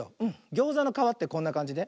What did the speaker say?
ギョーザのかわってこんなかんじね。